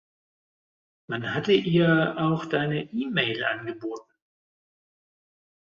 Man hatte ihr auch deine E-Mail angeboten.